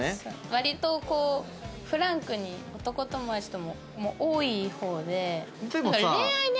割とこうフランクに男友達も多い方で。